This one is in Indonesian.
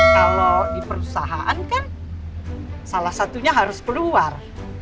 kalau di perusahaan kan salah satunya harus keluar